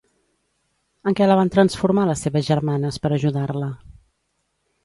En què la van transformar les seves germanes per ajudar-la?